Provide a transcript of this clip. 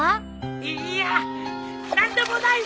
いいや何でもないワン！